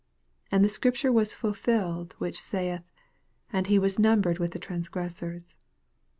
28 And the Scripture was fulfilled, which saith, And he was numbered with the trangressors.